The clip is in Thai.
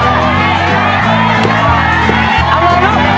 ทำได้ก็ได้นะสนิท